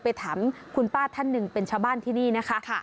ไปถามคุณป้าท่านหนึ่งเป็นชาวบ้านที่นี่นะคะ